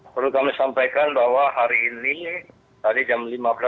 perlu kami sampaikan bahwa hari ini tadi jam lima belas